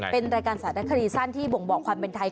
เป็นรายการสารคดีสั้นที่บ่งบอกความเป็นไทย